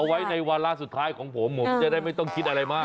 ไว้ในวาระสุดท้ายของผมผมจะได้ไม่ต้องคิดอะไรมาก